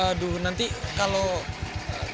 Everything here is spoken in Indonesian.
aduh nanti kalau